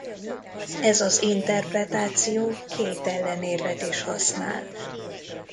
Ez az interpretáció két ellenérvet is használ.